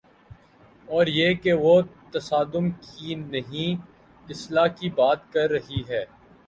اوریہ کہ وہ تصادم کی نہیں، اصلاح کی بات کررہی ہے۔